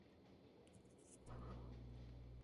Es la empresa insignia del Grupo Planeta.